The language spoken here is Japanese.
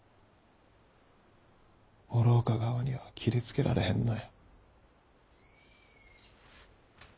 お廊下側には斬りつけられへんのや。